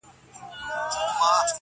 دریم لوری یې د ژوند نه دی لیدلی،